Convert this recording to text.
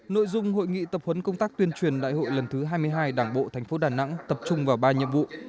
nội dung hội nghị tập huấn công tác tuyên truyền đại hội lần thứ hai mươi hai đảng bộ thành phố đà nẵng tập trung vào ba nhiệm vụ